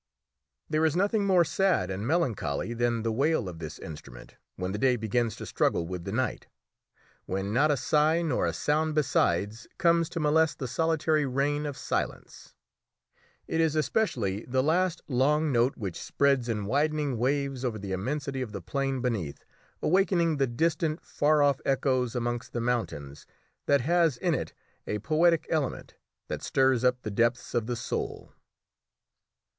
There is nothing more sad and melancholy than the wail of this instrument when the day begins to struggle with the night when not a sigh nor a sound besides comes to molest the solitary reign of silence; it is especially the last long note which spreads in widening waves over the immensity of the plain beneath, awaking the distant, far off echoes amongst the mountains, that has in it a poetic element that stirs up the depths of the soul.